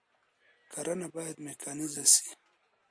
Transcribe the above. کرنه بايد ميکانيزه سي.